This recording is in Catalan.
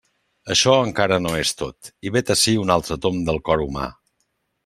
Això encara no és tot, i vet ací un altre tomb del cor humà.